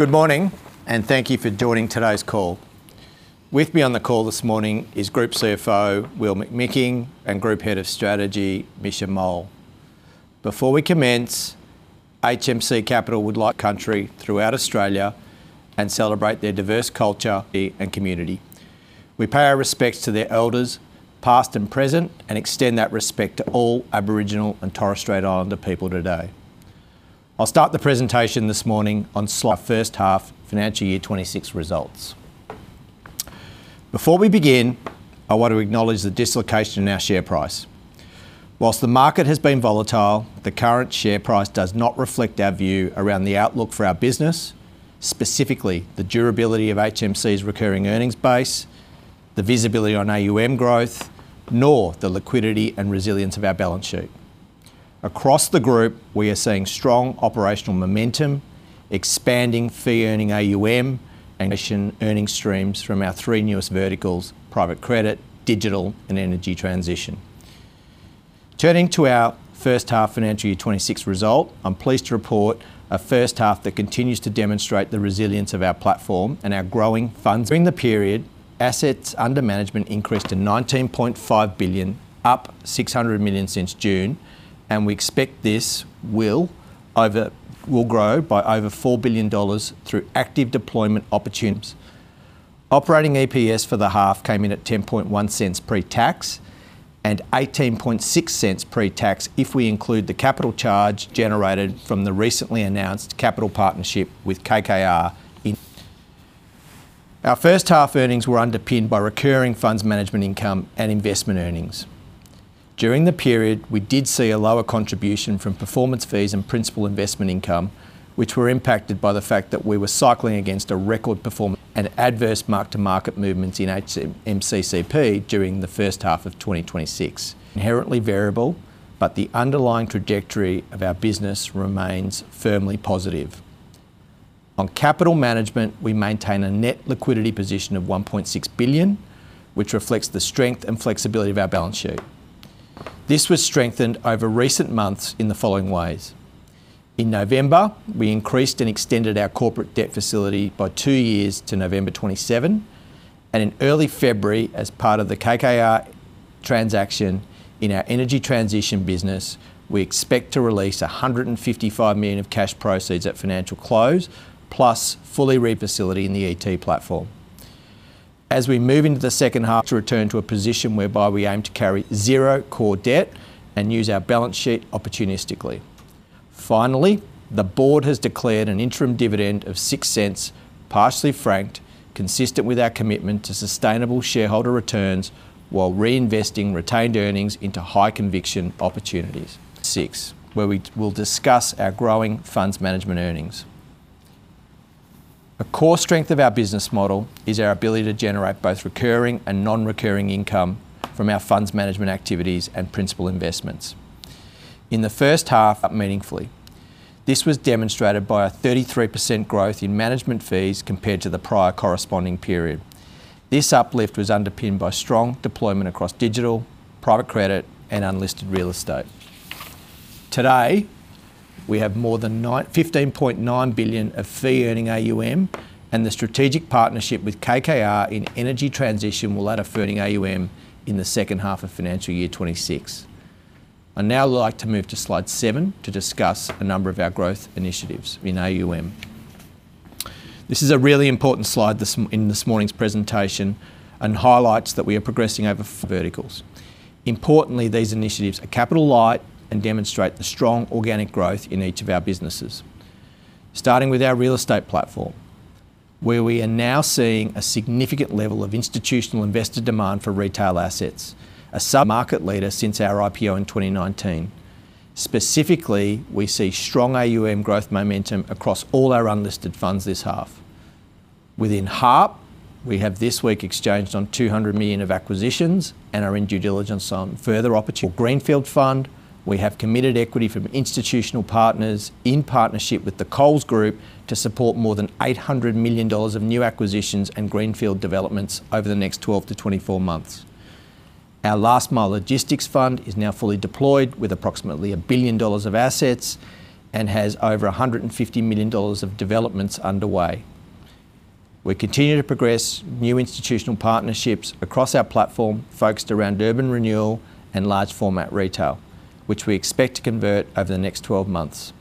Good morning, thank you for joining today's call. With me on the call this morning is Group CFO, Will McMicking, and Group Head of Strategy, Misha Mohl. Before we commence, HMC Capital would like country throughout Australia and celebrate their diverse culture and community. We pay our respects to their elders, past and present, and extend that respect to all Aboriginal and Torres Strait Islander people today. I'll start the presentation this morning on slide first half financial year 2026 results. Before we begin, I want to acknowledge the dislocation in our share price. Whilst the market has been volatile, the current share price does not reflect our view around the outlook for our business, specifically the durability of HMC's recurring earnings base, the visibility on AUM growth, nor the liquidity and resilience of our balance sheet. Across the group, we are seeing strong operational momentum, expanding fee-earning AUM, and mission earning streams from our three newest verticals: private credit, digital, and Energy Transition. Turning to our first half financial year 2026 result, I'm pleased to report a first half that continues to demonstrate the resilience of our platform and our growing funds. During the period, assets under management increased to 19.5 billion, up 600 million since June, and we expect this will grow by over 4 billion dollars through active deployment opportunities. Operating EPS for the half came in at 0.101 pre-tax and 0.186 pre-tax if we include the capital charge generated from the recently announced capital partnership with KKR in... Our first half earnings were underpinned by recurring funds management income and investment earnings. During the period, we did see a lower contribution from performance fees and principal investment income, which were impacted by the fact that we were cycling against a record performance and adverse mark-to-market movements in HMCCP during the first half of 2026. Inherently variable, but the underlying trajectory of our business remains firmly positive. On capital management, we maintain a net liquidity position of 1.6 billion, which reflects the strength and flexibility of our balance sheet. This was strengthened over recent months in the following ways: In November, we increased and extended our corporate debt facility by two years to November 2027, and in early February, as part of the KKR transaction in our Energy Transition business, we expect to release 155 million of cash proceeds at financial close, plus fully refacility in the ET platform. As we move into the second half to return to a position whereby we aim to carry zero core debt and use our balance sheet opportunistically. Finally, the board has declared an interim dividend of 0.06, partially franked, consistent with our commitment to sustainable shareholder returns, while reinvesting retained earnings into high conviction opportunities. Six, where we'll discuss our growing funds management earnings. A core strength of our business model is our ability to generate both recurring and non-recurring income from our funds management activities and principal investments. In the first half, meaningfully, this was demonstrated by a 33% growth in management fees compared to the prior corresponding period. This uplift was underpinned by strong deployment across digital, private credit, and unlisted real estate. Today, we have more than 15.9 billion of fee-earning AUM. The strategic partnership with KKR in Energy Transition will add fee-earning AUM in the second half of financial year 2026. I'd now like to move to slide seven to discuss a number of our growth initiatives in AUM. This is a really important slide in this morning's presentation and highlights that we are progressing over four verticals. Importantly, these initiatives are capital light and demonstrate the strong organic growth in each of our businesses. Starting with our real estate platform, where we are now seeing a significant level of institutional investor demand for retail assets, a sub-market leader since our IPO in 2019. Specifically, we see strong AUM growth momentum across all our unlisted funds this half. Within HARP, we have this week exchanged on 200 million of acquisitions and are in due diligence on further opportunity. Greenfield Fund, we have committed equity from institutional partners in partnership with the Coles Group to support more than 800 million dollars of new acquisitions and greenfield developments over the next 12-24 months. Our Last Mile Logistics Fund is now fully deployed with approximately 1 billion dollars of assets and has over 150 million dollars of developments underway. We continue to progress new institutional partnerships across our platform, focused around urban renewal and large format retail, which we expect to convert over the next 12 months.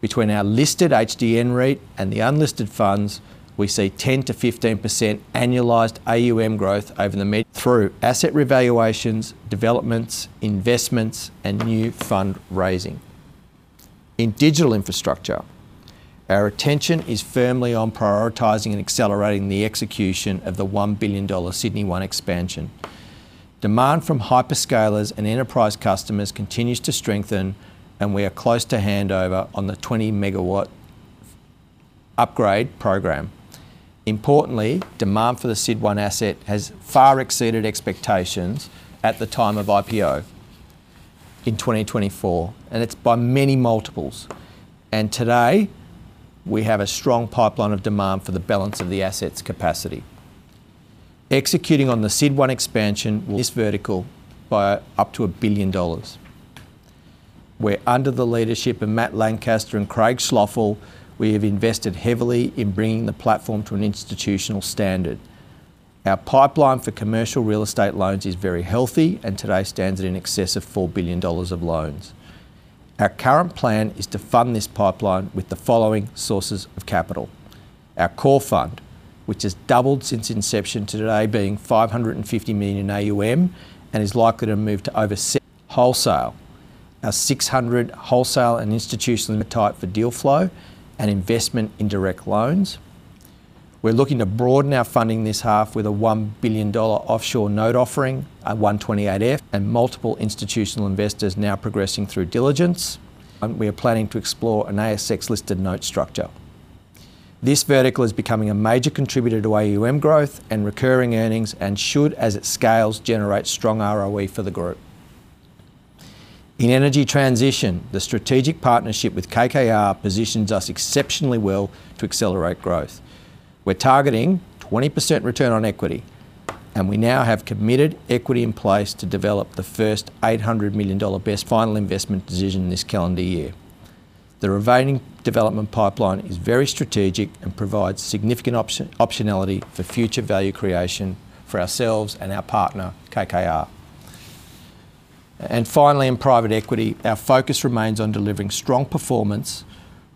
Between our listed HDN rate and the unlisted funds, we see 10%-15% annualized AUM growth over the mid... through asset revaluations, developments, investments, and new fund raising. In digital infrastructure, our attention is firmly on prioritizing and accelerating the execution of the 1 billion dollar SYD1 expansion. Demand from hyperscalers and enterprise customers continues to strengthen, and we are close to handover on the 20 MW upgrade program. Importantly, demand for the SYD1 asset has far exceeded expectations at the time of IPO in 2024, and it's by many multiples. Today, we have a strong pipeline of demand for the balance of the assets capacity. executing on the SYD1 expansion with this vertical by up to 1 billion dollars, where under the leadership of Matt Lancaster and Craig Schloeffel, we have invested heavily in bringing the platform to an institutional standard. Our pipeline for commercial real estate loans is very healthy, and today stands at in excess of 4 billion dollars of loans. Our current plan is to fund this pipeline with the following sources of capital: Our core fund, which has doubled since inception to today being 550 million AUM, and is likely to move to over wholesale. Our 600 wholesale and institutional appetite for deal flow and investment in direct loans. We're looking to broaden our funding this half with a 1 billion dollar offshore note offering at 128F. Multiple institutional investors now progressing through diligence. We are planning to explore an ASX-listed note structure. This vertical is becoming a major contributor to AUM growth and recurring earnings, and should, as it scales, generate strong ROE for the group. In Energy Transition, the strategic partnership with KKR positions us exceptionally well to accelerate growth. We're targeting 20% return on equity, we now have committed equity in place to develop the first 800 million dollar BESS final investment decision this calendar year. The remaining development pipeline is very strategic and provides significant optionality for future value creation for ourselves and our partner, KKR. Finally, in private equity, our focus remains on delivering strong performance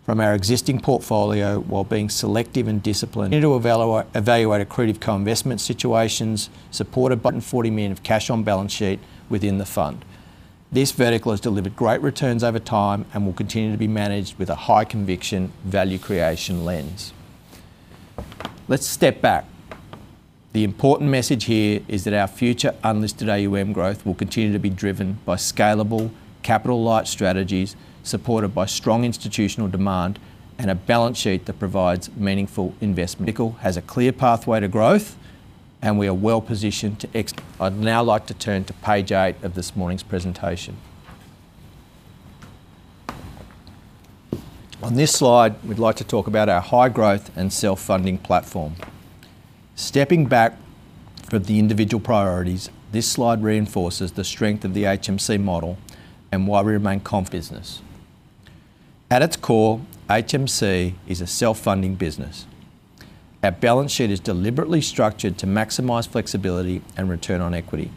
from our existing portfolio while being selective and disciplined. Need to evaluate accretive co-investment situations, support a button 40 million of cash on balance sheet within the fund. This vertical has delivered great returns over time and will continue to be managed with a high conviction value creation lens. Let's step back. The important message here is that our future unlisted AUM growth will continue to be driven by scalable capital light strategies, supported by strong institutional demand and a balance sheet that provides meaningful investment... has a clear pathway to growth, and we are well positioned to. I'd now like to turn to page eight of this morning's presentation. On this slide, we'd like to talk about our high growth and self-funding platform. Stepping back from the individual priorities, this slide reinforces the strength of the HMC model and why we remain confident business. At its core, HMC is a self-funding business. Our balance sheet is deliberately structured to maximize flexibility and return on equity.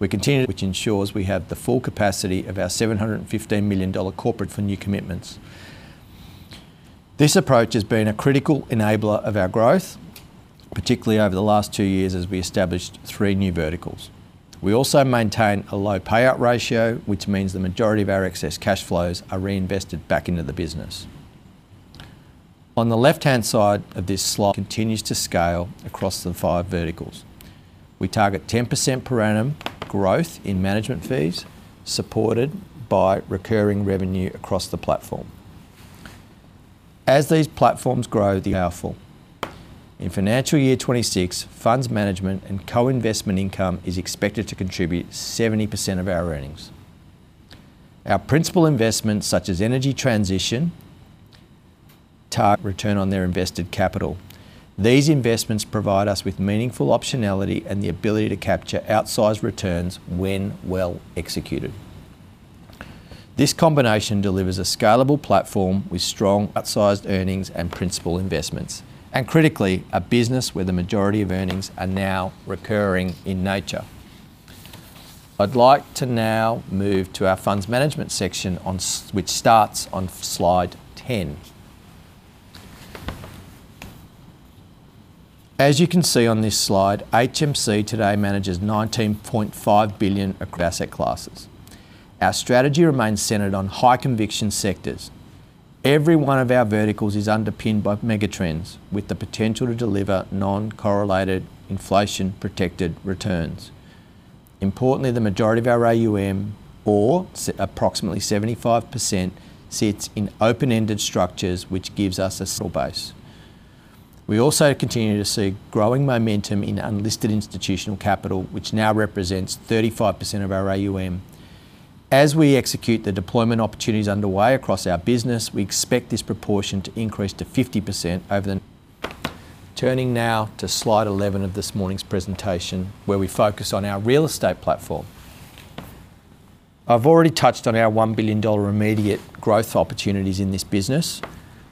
We continue, which ensures we have the full capacity of our 715 million dollar corporate for new commitments. This approach has been a critical enabler of our growth, particularly over the last two years, as we established three new verticals. We also maintain a low payout ratio, which means the majority of our excess cash flows are reinvested back into the business. On the left-hand side of this slide, continues to scale across the five verticals. We target 10% per annum growth in management fees, supported by recurring revenue across the platform. As these platforms grow, they are full. In financial year 2026, funds management and co-investment income is expected to contribute 70% of our earnings. Our principal investments, such as Energy Transition, target return on their invested capital. These investments provide us with meaningful optionality and the ability to capture outsized returns when well executed. This combination delivers a scalable platform with strong outsized earnings and principal investments. Critically, a business where the majority of earnings are now recurring in nature. I'd like to now move to our funds management section which starts on slide 10. As you can see on this slide, HMC today manages 19.5 billion across asset classes. Our strategy remains centered on high conviction sectors. Every one of our verticals is underpinned by megatrends, with the potential to deliver non-correlated inflation-protected returns. The majority of our AUM, or approximately 75%, sits in open-ended structures, which gives us a solid base. We also continue to see growing momentum in unlisted institutional capital, which now represents 35% of our AUM. We execute the deployment opportunities underway across our business, we expect this proportion to increase to 50% over the... Turning now to slide 11 of this morning's presentation, where we focus on our real estate platform. I've already touched on our 1 billion dollar immediate growth opportunities in this business,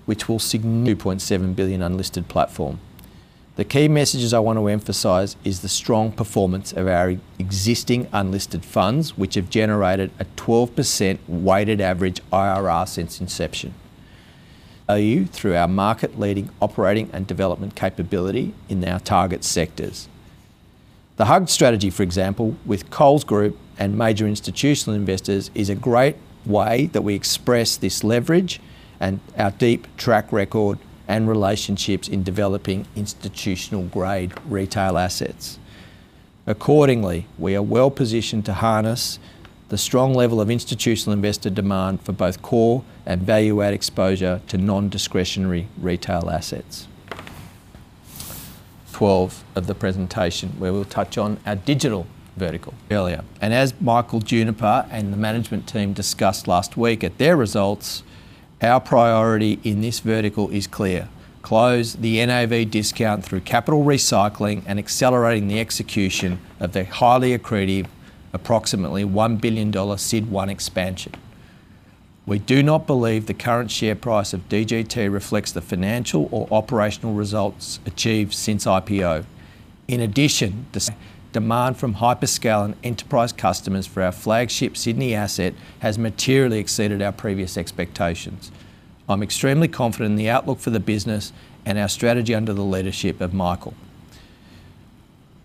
which will sign... 2.7 billion unlisted platform. The key messages I want to emphasize is the strong performance of our existing unlisted funds, which have generated a 12% weighted average IRR since inception. Through our market-leading operating and development capability in our target sectors. The HUG strategy, for example, with Coles Group and major institutional investors, is a great way that we express this leverage and our deep track record and relationships in developing institutional-grade retail assets. Accordingly, we are well positioned to harness the strong level of institutional investor demand for both core and value-add exposure to non-discretionary retail assets.... 12 of the presentation, where we'll touch on our digital vertical earlier. As Michael Juniper and the management team discussed last week at their results, our priority in this vertical is clear: close the NAV discount through capital recycling and accelerating the execution of the highly accretive, approximately 1 billion dollar SYD1 expansion. We do not believe the current share price of DGT reflects the financial or operational results achieved since IPO. In addition, this demand from hyperscale and enterprise customers for our flagship Sydney asset has materially exceeded our previous expectations. I'm extremely confident in the outlook for the business and our strategy under the leadership of Michael.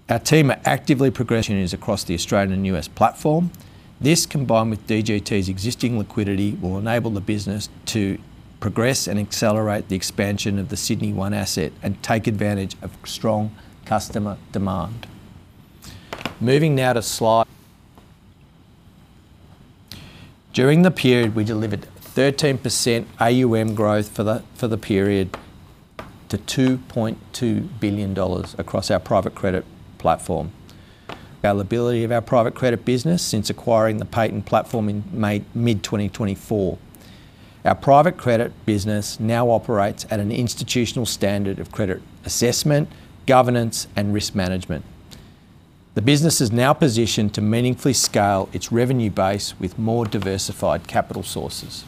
Our team are actively progressing initiatives across the Australian and U.S. platform. This, combined with DGT's existing liquidity, will enable the business to progress and accelerate the expansion of the SYD1 asset and take advantage of strong customer demand. Moving now to slide... During the period, we delivered 13% AUM growth for the period to $2.2 billion across our private credit platform. Our liability of our private credit business since acquiring the Payton platform in May, mid-2024. Our private credit business now operates at an institutional standard of credit assessment, governance, and risk management. The business is now positioned to meaningfully scale its revenue base with more diversified capital sources.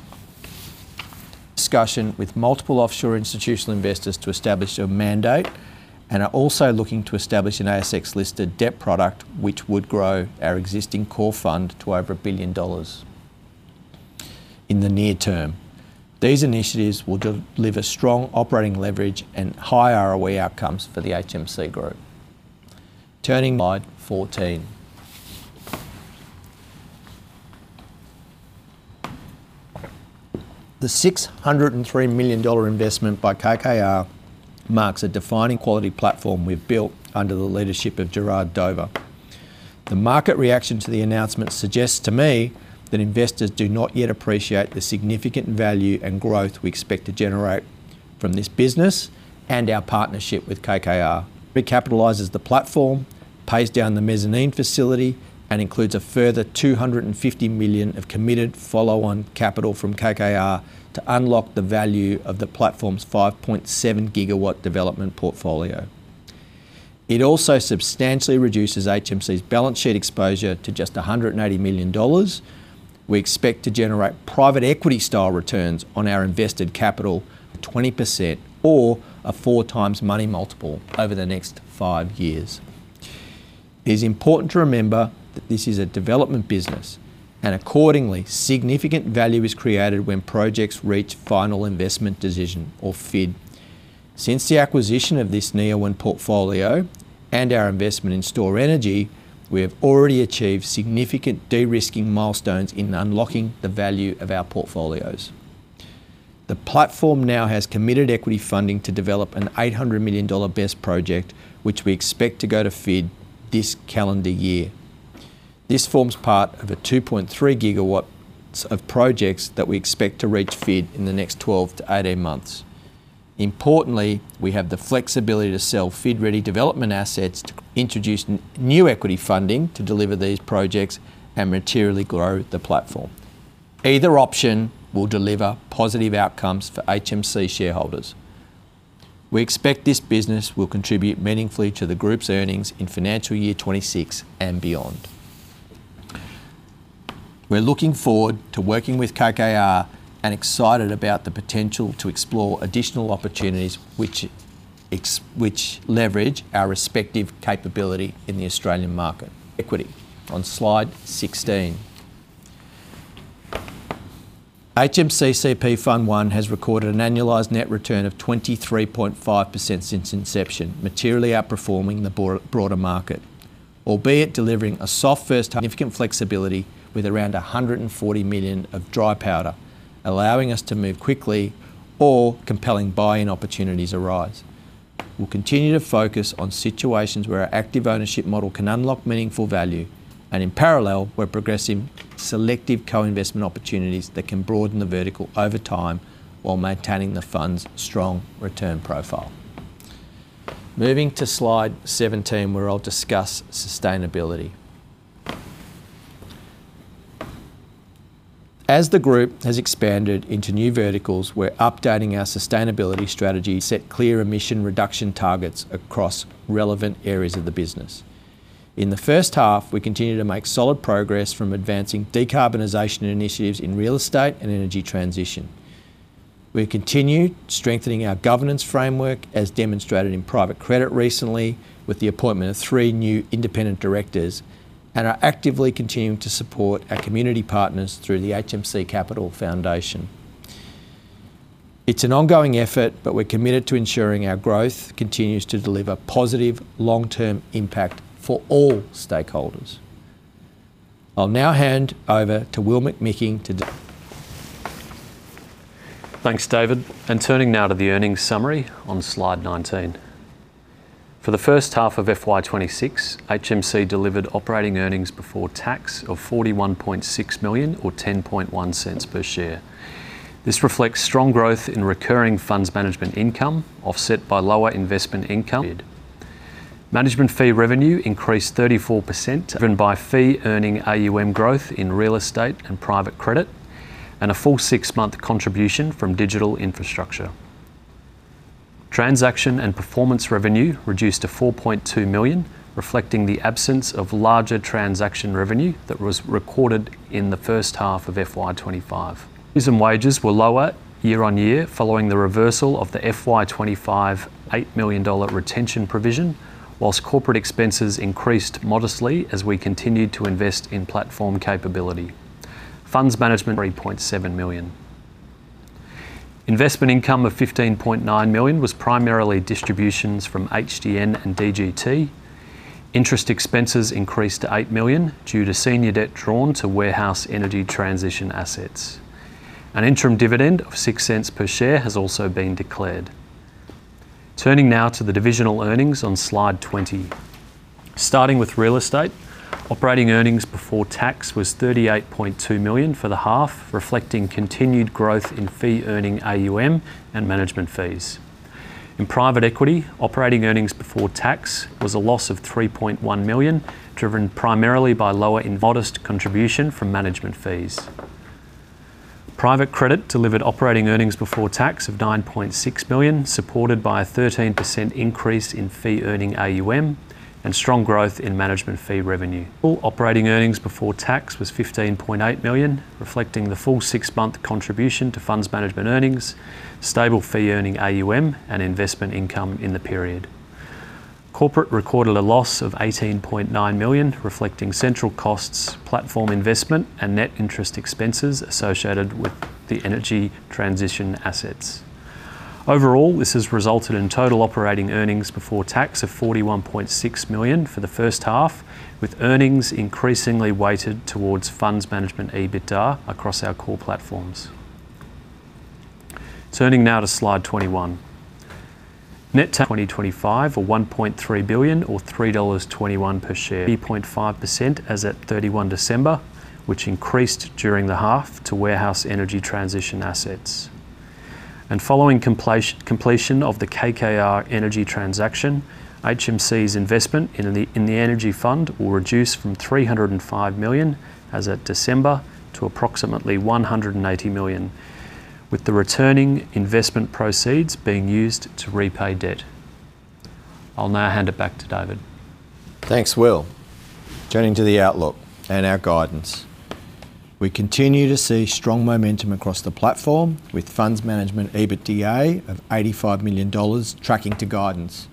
Discussion with multiple offshore institutional investors to establish a mandate and are also looking to establish an ASX-listed debt product, which would grow our existing core fund to over $1 billion in the near-term. These initiatives will deliver strong operating leverage and high ROE outcomes for the HMC Group. Turning to slide 14. The 603 million dollar investment by KKR marks a defining quality platform we've built under the leadership of Gerard Dover. The market reaction to the announcement suggests to me that investors do not yet appreciate the significant value and growth we expect to generate from this business and our partnership with KKR. It capitalizes the platform, pays down the mezzanine facility, and includes a further 250 million of committed follow-on capital from KKR to unlock the value of the platform's 5.7 GW development portfolio. It also substantially reduces HMC's balance sheet exposure to just 180 million dollars. We expect to generate private equity style returns on our invested capital of 20% or a four times money multiple over the next five years. It is important to remember that this is a development business, and accordingly, significant value is created when projects reach final investment decision or FID. Since the acquisition of this Neoen portfolio and our investment in Stor-Energy, we have already achieved significant de-risking milestones in unlocking the value of our portfolios. The platform now has committed equity funding to develop an 800 million dollar BESS project, which we expect to go to FID this calendar year. This forms part of a 2.3 GW of projects that we expect to reach FID in the next 12-18 months. Importantly, we have the flexibility to sell FID-ready development assets to introduce new equity funding to deliver these projects and materially grow the platform. Either option will deliver positive outcomes for HMC shareholders. We expect this business will contribute meaningfully to the group's earnings in financial year 2026 and beyond. We're looking forward to working with KKR and excited about the potential to explore additional opportunities which leverage our respective capability in the Australian market. Equity, on slide 16. HMCCP Fund 1 has recorded an annualized net return of 23.5% since inception, materially outperforming the broader market, albeit delivering a soft first significant flexibility with around 140 million of dry powder, allowing us to move quickly or compelling buy-in opportunities arise. We'll continue to focus on situations where our active ownership model can unlock meaningful value, and in parallel, we're progressing selective co-investment opportunities that can broaden the vertical over time while maintaining the fund's strong return profile. Moving to slide 17, where I'll discuss sustainability. As the group has expanded into new verticals, we're updating our sustainability strategy to set clear emission reduction targets across relevant areas of the business. In the first half, we continued to make solid progress from advancing decarbonization initiatives in real estate and Energy Transition. We have continued strengthening our governance framework, as demonstrated in private credit recently, with the appointment of three new independent directors, and are actively continuing to support our community partners through the HMC Capital Foundation. It's an ongoing effort, but we're committed to ensuring our growth continues to deliver positive long-term impact for all stakeholders. I'll now hand over to Will McMicking to- Thanks, David. Turning now to the earnings summary on slide 19. For the first half of FY 2026, HMC delivered operating earnings before tax of 41.6 million or 0.101 per share. This reflects strong growth in recurring funds management income, offset by lower investment income. Management fee revenue increased 34%, driven by fee-earning AUM growth in real estate and private credit, and a full 6-month contribution from digital infrastructure. Transaction and performance revenue reduced to 4.2 million, reflecting the absence of larger transaction revenue that was recorded in the first half of FY 2025. Wages were lower year-on-year following the reversal of the FY 2025 8 million dollar retention provision, whilst corporate expenses increased modestly as we continued to invest in platform capability. Funds management, 3.7 million. Investment income of 15.9 million was primarily distributions from HDN and DGT. Interest expenses increased to 8 million due to senior debt drawn to warehouse Energy Transition assets. An interim dividend of 0.06 per share has also been declared. Turning now to the divisional earnings on slide 20. Starting with real estate, operating earnings before tax was 38.2 million for the half, reflecting continued growth in fee-earning AUM and management fees. In private equity, operating earnings before tax was a loss of 3.1 million, driven primarily by lower and modest contribution from management fees. Private credit delivered operating earnings before tax of 9.6 million, supported by a 13% increase in fee-earning AUM and strong growth in management fee revenue. All operating earnings before tax was 15.8 million, reflecting the full six-month contribution to funds management earnings, stable fee-earning AUM, and investment income in the period. Corporate recorded a loss of 18.9 million, reflecting central costs, platform investment, and net interest expenses associated with the Energy Transition assets. Overall, this has resulted in total operating earnings before tax of 41.6 million for the first half, with earnings increasingly weighted towards funds management EBITDA across our core platforms. Turning now to slide 21. Net tag 2025 or 1.3 billion or 3.21 dollars per share, 0.5% as at 31 December, which increased during the half to warehouse Energy Transition assets. Following completion of the KKR energy transaction, HMC's investment in the energy fund will reduce from 305 million as at December to approximately 180 million, with the returning investment proceeds being used to repay debt. I'll now hand it back to David. Thanks, Will. Turning to the outlook and our guidance. We continue to see strong momentum across the platform, with funds management EBITDA of 85 million dollars tracking to guidance,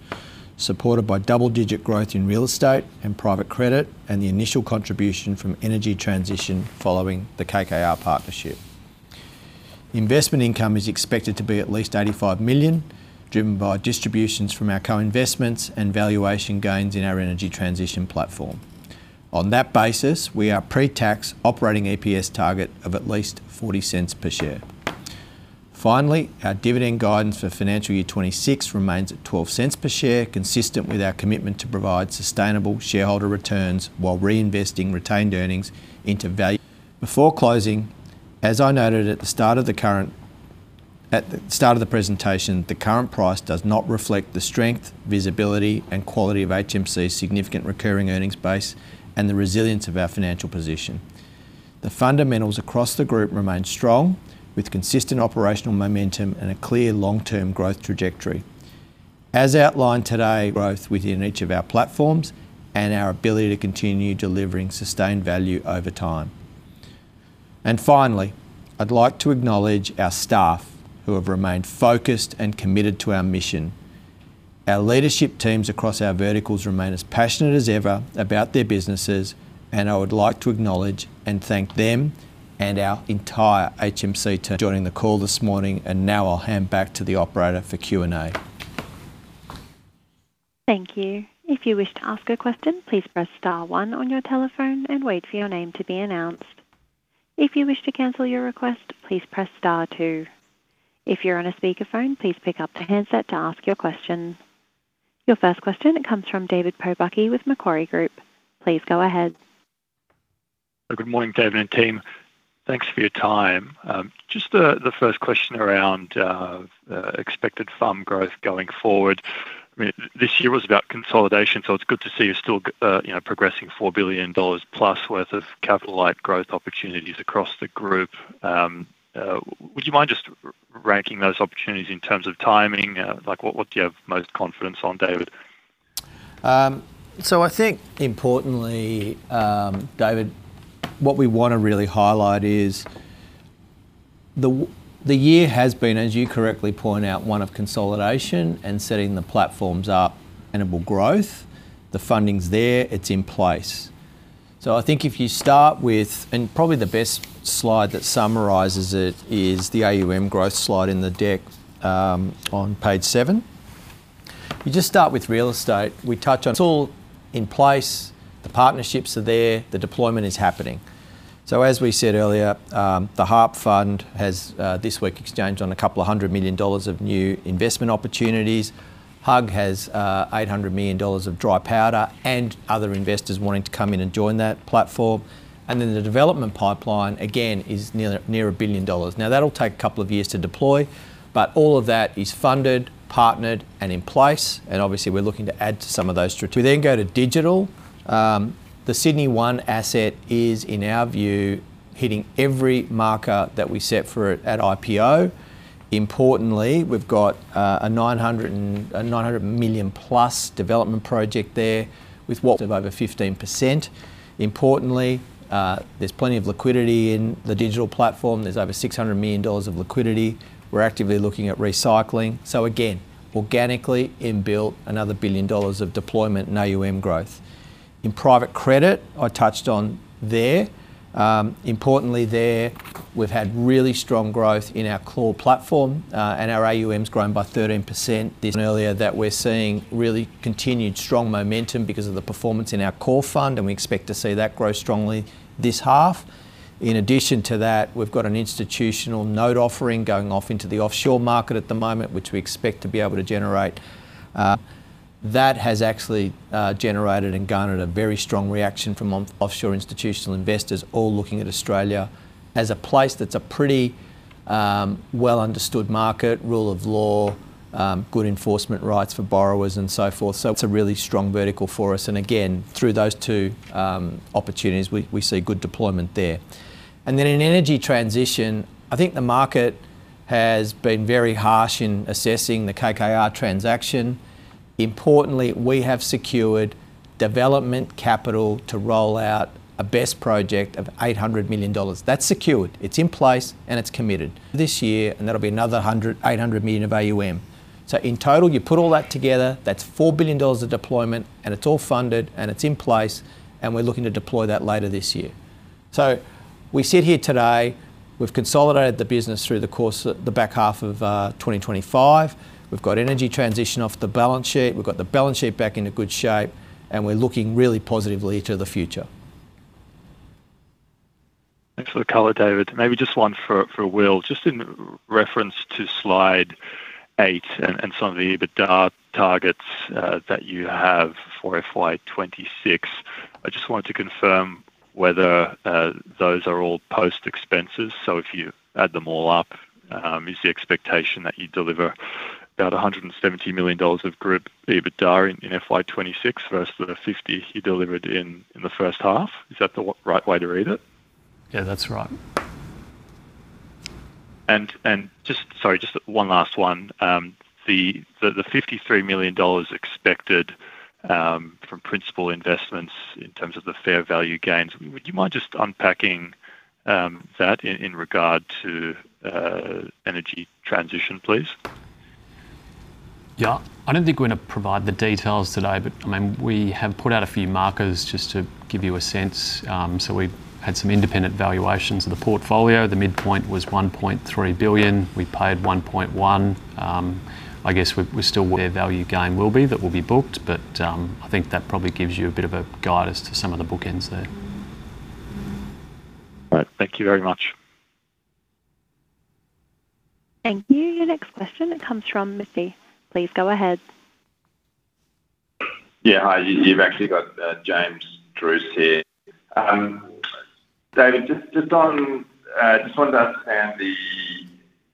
supported by double-digit growth in real estate and private credit, and the initial contribution from Energy Transition following the KKR partnership. Investment income is expected to be at least 85 million, driven by distributions from our co-investments and valuation gains in our Energy Transition platform. On that basis, we are pre-tax operating EPS target of at least 0.40 per share. Our dividend guidance for financial year 2026 remains at 0.12 per share, consistent with our commitment to provide sustainable shareholder returns while reinvesting retained earnings into value. Before closing, as I noted at the start of the current at the start of the presentation, the current price does not reflect the strength, visibility, and quality of HMC's significant recurring earnings base and the resilience of our financial position. The fundamentals across the group remain strong, with consistent operational momentum and a clear long-term growth trajectory. As outlined today, growth within each of our platforms and our ability to continue delivering sustained value over time. Finally, I'd like to acknowledge our staff who have remained focused and committed to our mission. Our leadership teams across our verticals remain as passionate as ever about their businesses, and I would like to acknowledge and thank them and our entire HMC team joining the call this morning, and now I'll hand back to the operator for Q&A. Thank you. If you wish to ask a question, please press star one on your telephone and wait for your name to be announced. If you wish to cancel your request, please press star two. If you're on a speakerphone, please pick up the handset to ask your question. Your first question comes from David Pobucky with Macquarie Group. Please go ahead. Good morning, David and team. Thanks for your time. Just the first question around expected farm growth going forward. I mean, this year was about consolidation, so it's good to see you still, you know, progressing 4 billion dollars plus worth of capital-like growth opportunities across the group. Would you mind just ranking those opportunities in terms of timing? Like, what, what do you have most confidence on, David? I think importantly, David, what we wanna really highlight is the year has been, as you correctly point out, one of consolidation and setting the platforms up, and it will growth. The funding's there, it's in place. I think if you start with probably the BESS slide that summarizes it is the AUM growth slide in the deck, on page seven. You just start with real estate. We touch on it's all in place, the partnerships are there, the deployment is happening. As we said earlier, the HERF Fund has this week exchanged on 200 million dollars of new investment opportunities. HUG has 800 million dollars of dry powder and other investors wanting to come in and join that platform. The development pipeline, again, is near 1 billion dollars. That'll take two years to deploy, but all of that is funded, partnered, and in place, and obviously, we're looking to add to some of those. To go to digital, the SYD1 asset is, in our view, hitting every marker that we set for it at IPO. Importantly, we've got, a 900 million+ development project there with what? Of over 15%. Importantly, there's plenty of liquidity in the digital platform. There's over 600 million dollars of liquidity. We're actively looking at recycling. Again, organically in-built another 1 billion dollars of deployment in AUM growth. In private credit, I touched on there. Importantly there, we've had really strong growth in our core platform, and our AUM's grown by 13%. This earlier, that we're seeing really continued strong momentum because of the performance in our core fund, and we expect to see that grow strongly this half. In addition to that, we've got an institutional note offering going off into the offshore market at the moment, which we expect to be able to generate. That has actually generated and garnered a very strong reaction from offshore institutional investors, all looking at Australia as a place that's a pretty well-understood market, rule of law, good enforcement rights for borrowers, and so forth. It's a really strong vertical for us, and again, through those two opportunities, we, we see good deployment there. In Energy Transition, I think the market has been very harsh in assessing the KKR transaction. Importantly, we have secured development capital to roll out a BESS project of 800 million dollars. That's secured, it's in place, and it's committed this year, and that'll be another hundred, 800 million of AUM. In total, you put all that together, that's 4 billion dollars of deployment, and it's all funded, and it's in place, and we're looking to deploy that later this year. We sit here today, we've consolidated the business through the course of the back half of 2025. We've got Energy Transition off the balance sheet. We've got the balance sheet back into good shape, and we're looking really positively to the future. Thanks for the color, David. Maybe just one for Will. Just in reference to slide eight and some of the EBITDA targets that you have for FY 2026. I just wanted to confirm whether those are all post expenses. If you add them all up, is the expectation that you deliver about 170 million dollars of group EBITDA in FY 2026 versus the 50 you delivered in the first half? Is that the right way to read it? Yeah, that's right. Just one last one. The 53 million dollars expected from principal investments in terms of the fair value gains, would you mind just unpacking that in regard to Energy Transition, please? Yeah. I don't think we're going to provide the details today, but, I mean, we have put out a few markers just to give you a sense. We've had some independent valuations of the portfolio. The midpoint was 1.3 billion. We paid 1.1. I guess we're still where value gain will be, that will be booked, but, I think that probably gives you a bit of a guide as to some of the bookends there. All right. Thank you very much. Thank you. Your next question comes from Missy. Please go ahead. Yeah, hi. You, you've actually got James Drew here. David, just, just on, just wanted to understand the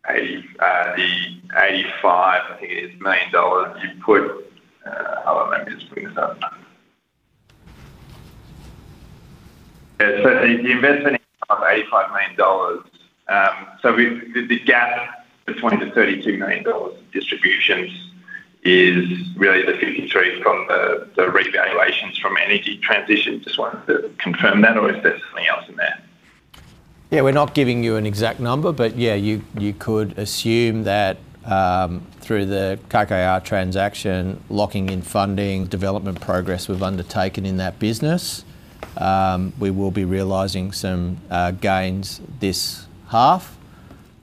85 million dollars, I think it is, you put... Hold on, let me just bring this up. Yeah, so the investment of AUD 85 million, so with the gap between the AUD 32 million of distributions is really the 53 million from the revaluations from Energy Transition. Just wanted to confirm that, or is there something else in there? Yeah, we're not giving you an exact number, but yeah, you, you could assume that, through the KKR transaction, locking in funding, development progress we've undertaken in that business, we will be realizing some gains this half.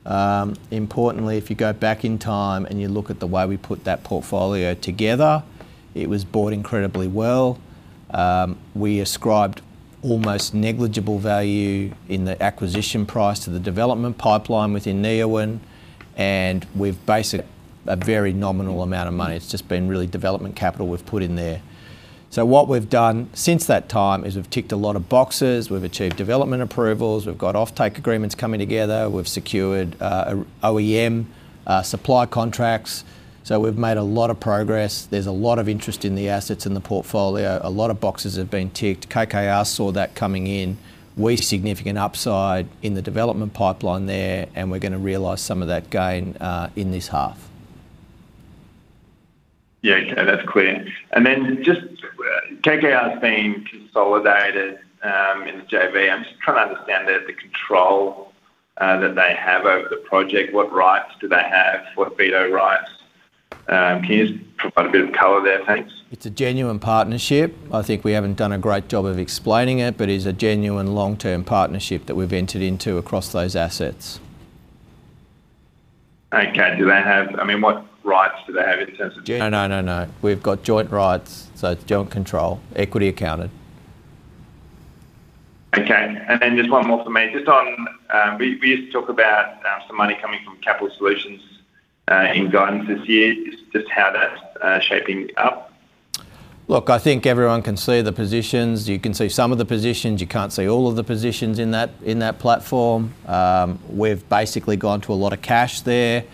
Importantly, if you go back in time and you look at the way we put that portfolio together, it was bought incredibly well. We ascribed almost negligible value in the acquisition price to the development pipeline within Neoen, and we've a very nominal amount of money. It's just been really development capital we've put in there. What we've done since that time is we've ticked a lot of boxes, we've achieved development approvals, we've got offtake agreements coming together, we've secured, OEM, supply contracts. We've made a lot of progress. There's a lot of interest in the assets in the portfolio. A lot of boxes have been ticked. KKR saw that coming in. We significant upside in the development pipeline there. We're gonna realize some of that gain in this half. Yeah, okay, that's clear. Then just, KKR's being consolidated in the JV. I'm just trying to understand the control that they have over the project. What rights do they have? What veto rights? Can you just provide a bit of color there? Thanks? It's a genuine partnership. I think we haven't done a great job of explaining it, but it's a genuine long-term partnership that we've entered into across those assets. Okay. Do they have... I mean, what rights do they have in terms of gen- No, no, no, no. We've got joint rights, so joint control, equity accounted. Okay, just one more for me. Just on, we, we used to talk about, some money coming from Capital Solutions, in guidance this year. Just, just how that's, shaping up? Look, I think everyone can see the positions. You can see some of the positions, you can't see all of the positions in that, in that platform. We've basically gone to a lot of cash there,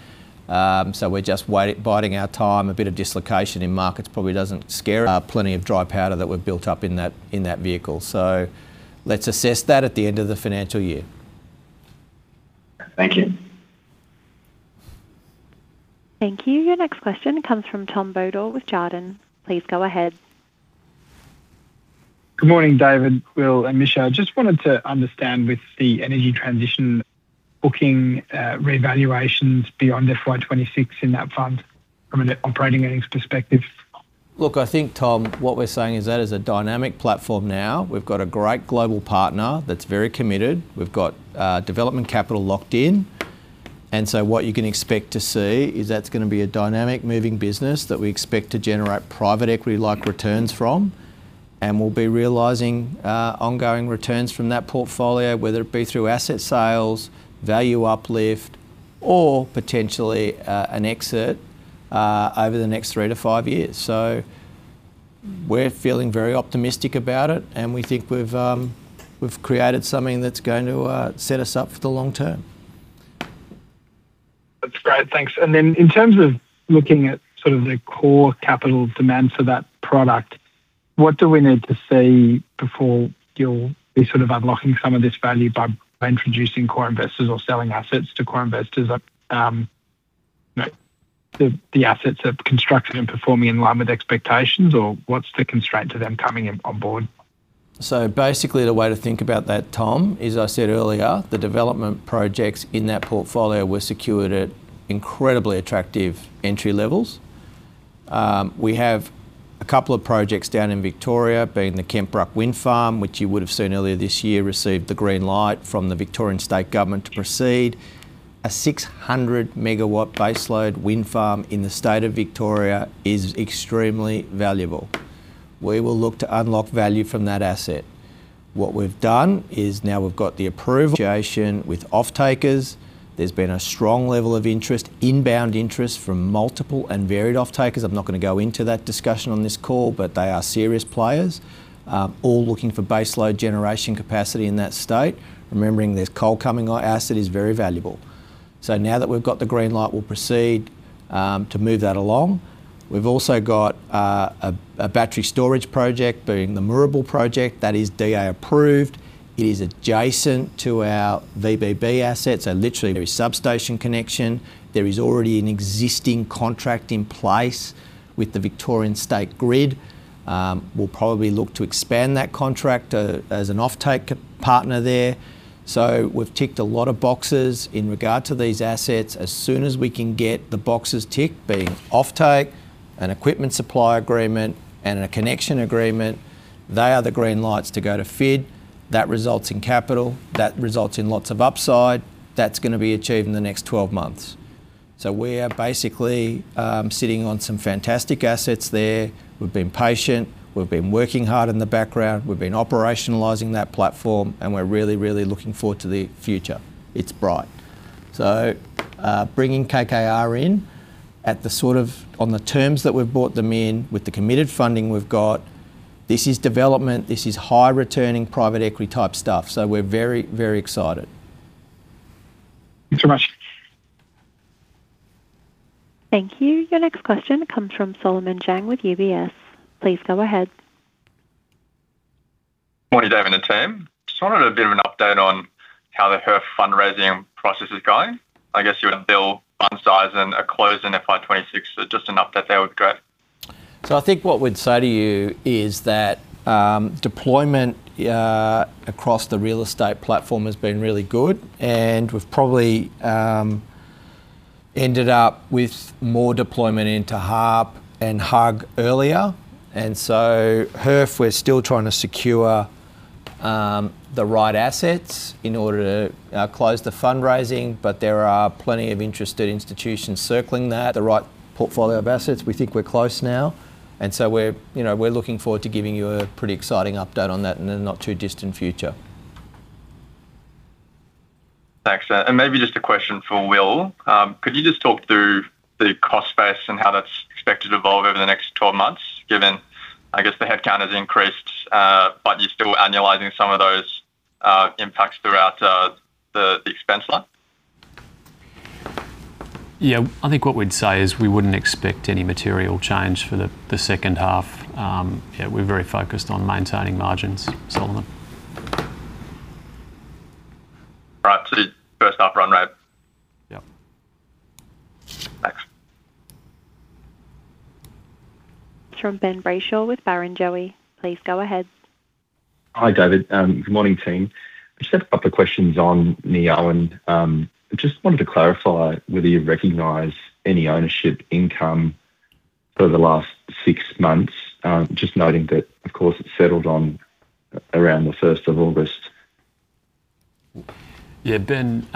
so we're just biding our time. A bit of dislocation in markets probably doesn't scare, plenty of dry powder that we've built up in that, in that vehicle. Let's assess that at the end of the financial year. Thank you. Thank you. Your next question comes from Tom Bodor with Jarden. Please go ahead. Good morning, David, Will, and Misha. I just wanted to understand, with the Energy Transition, booking, revaluations beyond FY 2026 in that fund from an operating earnings perspective. Look, I think, Tom, what we're saying is that is a dynamic platform now. We've got a great global partner that's very committed. We've got development capital locked in. So what you can expect to see is that's gonna be a dynamic moving business that we expect to generate private equity-like returns from. We'll be realizing ongoing returns from that portfolio, whether it be through asset sales, value uplift, or potentially an exit over the next three to five years. So we're feeling very optimistic about it, and we think we've, we've created something that's going to set us up for the long-term. That's great. Thanks. Then in terms of looking at sort of the core capital demand for that product, what do we need to see before you'll be sort of unlocking some of this value by, by introducing core investors or selling assets to core investors? The assets are constructed and performing in line with expectations, or what's the constraint to them coming on board? Basically, the way to think about that, Tom, as I said earlier, the development projects in that portfolio were secured at incredibly attractive entry levels. We have a couple of projects down in Victoria, being the Kentbruck Wind Farm, which you would have seen earlier this year, received the green light from the Victorian State Government to proceed. A 600 MW baseload wind farm in the state of Victoria is extremely valuable. We will look to unlock value from that asset. What we've done is now we've got the approval with off-takers. There's been a strong level of interest, inbound interest from multiple and varied off-takers. I'm not gonna go into that discussion on this call, but they are serious players, all looking for baseload generation capacity in that state. Remembering there's coal coming, our asset is very valuable. Now that we've got the green light, we'll proceed to move that along. We've also got a battery storage project, being the Moorabool project that is DA approved. It is adjacent to our VBB assets, so literally, there is substation connection. There is already an existing contract in place with the Victorian State Grid. We'll probably look to expand that contract as an off-take partner there. We've ticked a lot of boxes in regard to these assets. As soon as we can get the boxes ticked, being off-take, an equipment supply agreement, and a connection agreement, they are the green lights to go to FID. That results in capital, that results in lots of upside. That's gonna be achieved in the next 12 months. We are basically sitting on some fantastic assets there. We've been patient, we've been working hard in the background, we've been operationalizing that platform, and we're really, really looking forward to the future. It's bright. Bringing KKR in at the on the terms that we've brought them in, with the committed funding we've got, this is development, this is high-returning private equity type stuff, so we're very, very excited. Thanks so much. Thank you. Your next question comes from Solomon Zhang with UBS. Please go ahead. Morning, David and the team. Just wanted a bit of an update on how the HERF fundraising process is going. I guess you would build fund size and a close in FY 2026, just an update there would be great. I think what we'd say to you is that deployment across the real estate platform has been really good, and we've probably ended up with more deployment into HARP and HUG earlier. HERF, we're still trying to secure the right assets in order to close the fundraising, but there are plenty of interested institutions circling that, the right portfolio of assets. We think we're close now, we're, you know, we're looking forward to giving you a pretty exciting update on that in the not-too-distant future. Thanks. And maybe just a question for Will. Could you just talk through the cost base and how that's expected to evolve over the next 12 months, given, I guess, the headcount has increased, but you're still annualizing some of those impacts throughout the expense line? Yeah, I think what we'd say is we wouldn't expect any material change for the, the second half. We're very focused on maintaining margins, Solomon. Right. first half run rate? Yep. Thanks. From Ben Brayshaw with Barrenjoey. Please go ahead. Hi, David. Good morning, team. I just have a couple of questions on Neoen and just wanted to clarify whether you recognize any ownership income for the last six months. Just noting that, of course, it settled on around the 1st of August. Ben,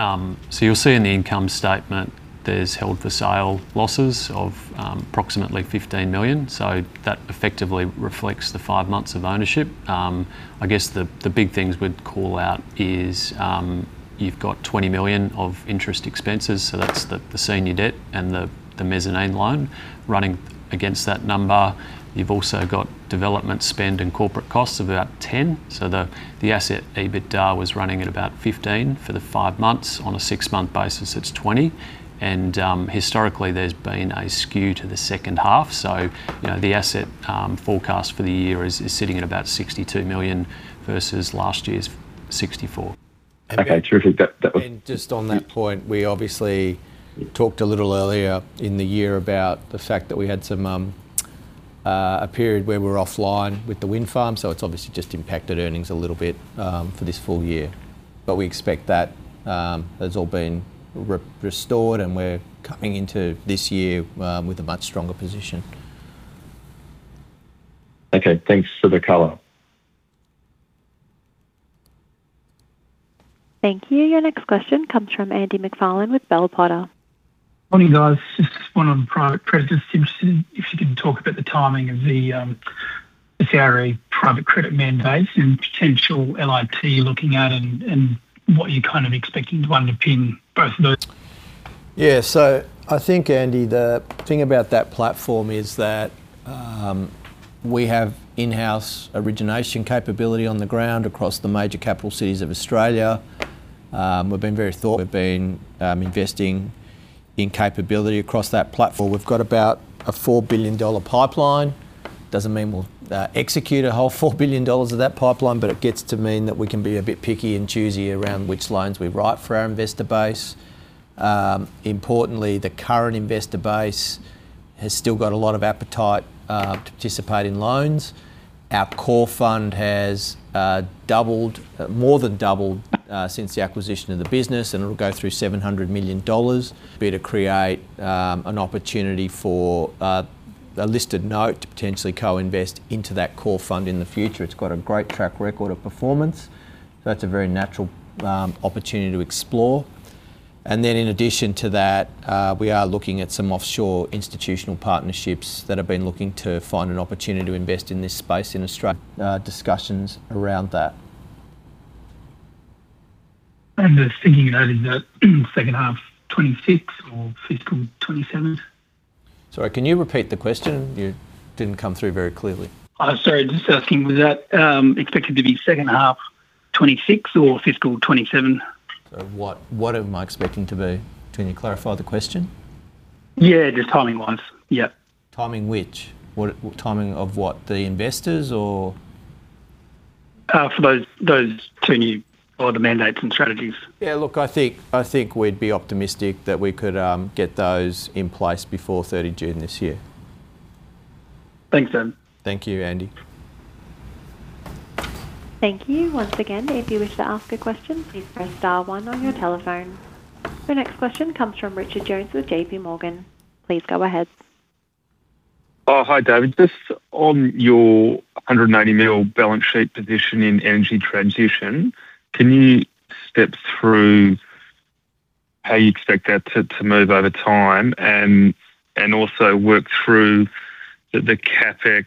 you'll see in the income statement there's held for sale losses of approximately 15 million, so that effectively reflects the five months of ownership. I guess the big things we'd call out is, you've got 20 million of interest expenses, so that's the senior debt and the mezzanine loan running against that number. You've also got development spend and corporate costs of about 10. The asset, EBITDA was running at about 15 for the five months. On a six-month basis, it's 20, and historically, there's been a skew to the second half. You know, the asset, forecast for the year is, is sitting at about 62 million versus last year's 64. Okay, terrific. That, that was- Just on that point, we obviously talked a little earlier in the year about the fact that we had some, a period where we're offline with the wind farm, so it's obviously just impacted earnings a little bit for this full year. We expect that that's all been restored, and we're coming into this year with a much stronger position. Okay, thanks for the color. Thank you. Your next question comes from Andy MacFarlane with Bell Potter. Morning, guys. Just one on private credits. Just interested if you can talk about the timing of the CRA private credit mandates and potential LIP you're looking at and, and what you're kind of expecting to underpin both of those? Yeah. I think, Andy, the thing about that platform is that we have in-house origination capability on the ground across the major capital cities of Australia. We've been investing in capability across that platform. We've got about a 4 billion dollar pipeline. Doesn't mean we'll execute a whole 4 billion dollars of that pipeline, it gets to mean that we can be a bit picky and choosy around which loans we write for our investor base. Importantly, the current investor base has still got a lot of appetite to participate in loans. Our core fund has doubled, more than doubled, since the acquisition of the business, it'll go through 700 million dollars. Be to create an opportunity for a listed note to potentially co-invest into that core fund in the future. It's got a great track record of performance. That's a very natural opportunity to explore. In addition to that, we are looking at some offshore institutional partnerships that have been looking to find an opportunity to invest in this space in Australia, discussions around that. Just thinking of adding that second half, 2026 or fiscal 2027? Sorry, can you repeat the question? You didn't come through very clearly. Sorry, just asking, was that expected to be second half 2026 or fiscal 2027? What, what am I expecting to be? Can you clarify the question? Yeah, just timing-wise. Yeah. Timing which? What, timing of what? The investors or...? For those, those two new order mandates and strategies. Yeah, look, I think, I think we'd be optimistic that we could get those in place before 30 June this year. Thanks, David. Thank you, Andy. Thank you. Once again, if you wish to ask a question, please press star one on your telephone. The next question comes from Richard Jones with JPMorgan. Please go ahead. Hi, David. Just on your 180 million balance sheet position in Energy Transition, can you step through how you expect that to move over time, and also work through the CapEx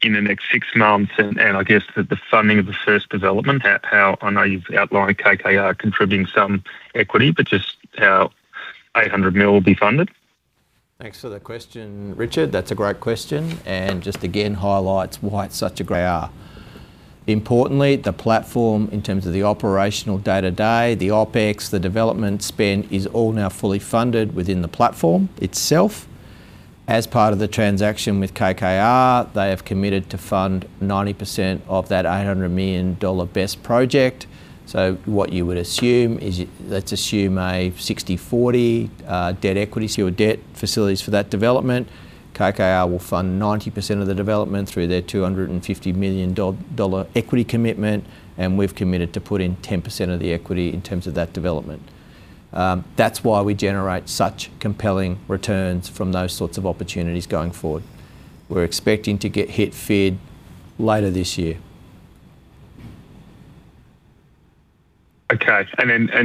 in the next six months, and I guess the funding of the first development? How I know you've outlined KKR contributing some equity, but just how 800 million will be funded? Thanks for the question, Richard. That's a great question, and just again, highlights why it's such a great R. Importantly, the platform, in terms of the operational day-to-day, the OpEx, the development spend, is all now fully funded within the platform itself. As part of the transaction with KKR, they have committed to fund 90% of that 800 million dollar BESS project. What you would assume is, let's assume a 60/40 debt equity, so your debt facilities for that development. KKR will fund 90% of the development through their 250 million dollar equity commitment, and we've committed to put in 10% of the equity in terms of that development. That's why we generate such compelling returns from those sorts of opportunities going forward. We're expecting to get hit feed later this year. Okay.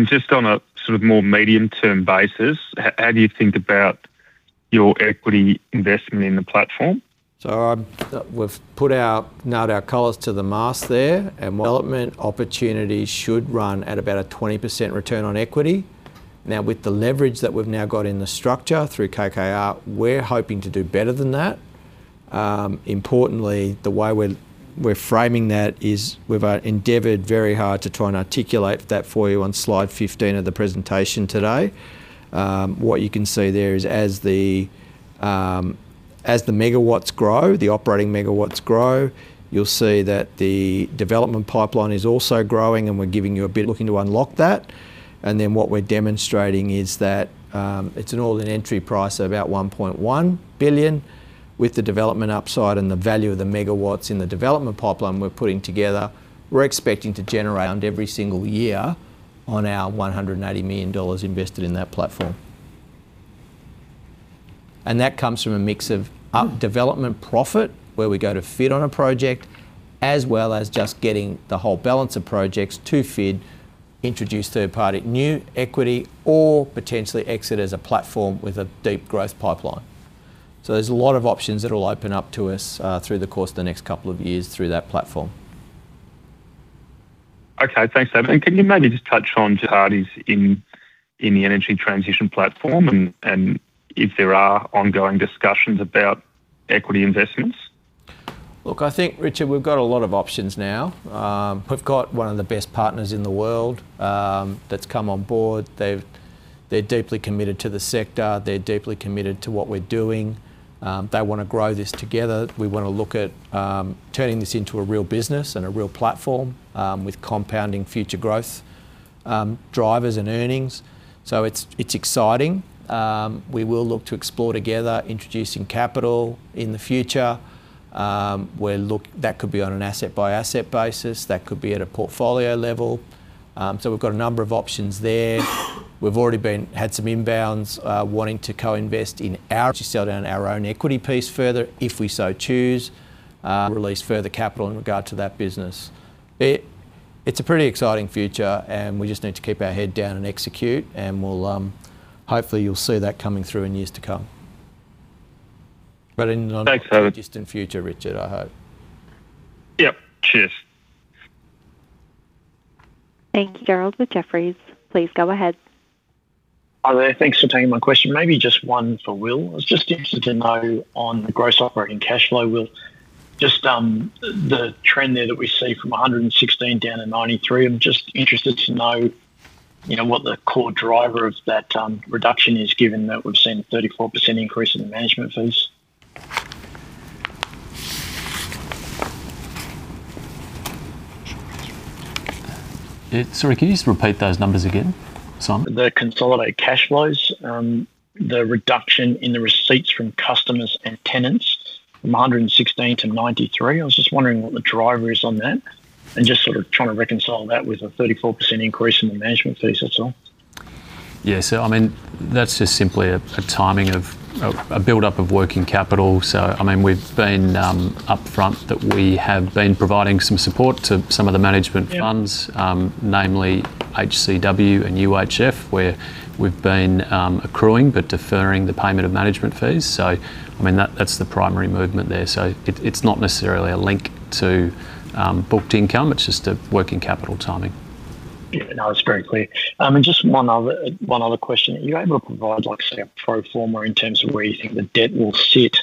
Just on a sort of more medium-term basis, how do you think about your equity investment in the platform? We've put out, nailed our colors to the mast there, and development opportunities should run at about a 20% return on equity. Now, with the leverage that we've now got in the structure through KKR, we're hoping to do better than that. Importantly, the way we're, we're framing that is we've endeavored very hard to try and articulate that for you on slide 15 of the presentation today. What you can see there is as the as the megawatts grow, the operating megawatts grow, you'll see that the development pipeline is also growing, and we're giving you looking to unlock that. Then what we're demonstrating is that, it's an all-in entry price of about 1.1 billion, with the development upside and the value of the megawatts in the development pipeline we're putting together, we're expecting to generate around every single year on our 180 million dollars invested in that platform.... That comes from a mix of up development profit, where we go to fit on a project, as well as just getting the whole balance of projects to fit, introduce third party, new equity, or potentially exit as a platform with a deep growth pipeline. There's a lot of options that will open up to us, through the course of the next couple of years through that platform. Okay, thanks, David. Can you maybe just touch on parties in, in the Energy Transition platform and, and if there are ongoing discussions about equity investments? Look, I think, Richard, we've got a lot of options now. We've got one of the BESS partners in the world that's come on board. They're deeply committed to the sector, they're deeply committed to what we're doing. They wanna grow this together. We wanna look at turning this into a real business and a real platform with compounding future growth drivers and earnings. It's, it's exciting. We will look to explore together, introducing capital in the future. We'll that could be on an asset-by-asset basis, that could be at a portfolio level. We've got a number of options there. We've already had some inbounds wanting to co-invest to sell down our own equity piece further, if we so choose, release further capital in regard to that business. It's a pretty exciting future, and we just need to keep our head down and execute, and we'll. Hopefully, you'll see that coming through in years to come. Thanks, David. Not very distant future, Richard, I hope. Yep. Cheers. Thank you. [Gerald] with Jefferies, please go ahead. Hi there. Thanks for taking my question. Maybe just one for Will. I was just interested to know on the gross operating cash flow, Will, just, the trend there that we see from 116 down to 93. I'm just interested to know, you know, what the core driver of that reduction is, given that we've seen a 34% increase in the management fees? Yeah. Sorry, can you just repeat those numbers again? The consolidated cash flows, the reduction in the receipts from customers and tenants from 116-93. I was just wondering what the driver is on that, and just sort of trying to reconcile that with a 34% increase in the management fees, that's all. Yeah, I mean, that's just simply a, a timing of, of a buildup of working capital. I mean, we've been upfront that we have been providing some support to some of the management funds... Yeah namely HCW and UHF, where we've been accruing but deferring the payment of management fees. I mean, that, that's the primary movement there. It's not necessarily a link to booked income, it's just a working capital timing. Yeah, no, it's very clear. just one other, one other question. Are you able to provide, like, say, a pro forma in terms of where you think the debt will sit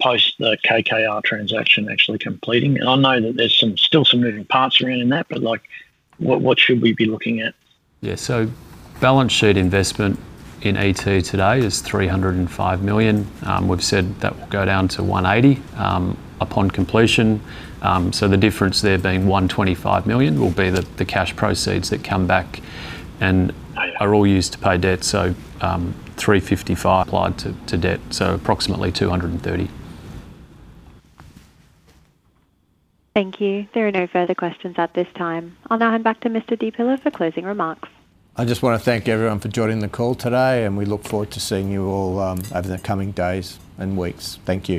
post the KKR transaction actually completing? I know that there's some, still some moving parts around in that, but, like, what, what should we be looking at? Balance sheet investment in ET today is 305 million. We've said that will go down to 180 million upon completion. The difference there being 125 million, will be the cash proceeds that come back. Right are all used to pay debt. 355 applied to, to debt, so approximately 230. Thank you. There are no further questions at this time. I'll now hand back to Mr. Di Pilla for closing remarks. I just wanna thank everyone for joining the call today. We look forward to seeing you all, over the coming days and weeks. Thank you.